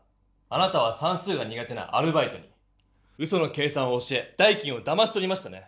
あなたはさんすうが苦手なアルバイトにうその計算を教え代金をだましとりましたね？